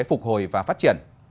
phục hồi và phát triển